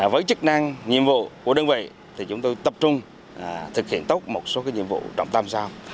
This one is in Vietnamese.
với chức năng nhiệm vụ của đơn vị chúng tôi tập trung thực hiện tốt một số nhiệm vụ trong ba sao